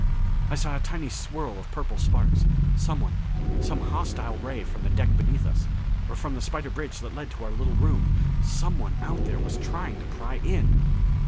I saw a tiny swirl of purple sparks. Someone some hostile ray from the deck beneath us, or from the spider bridge that led to our little room someone out there was trying to pry in!